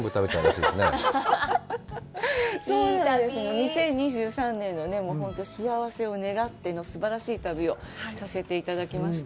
２０２３年のね、本当、幸せを願っての、すばらしい旅をさせていただきました。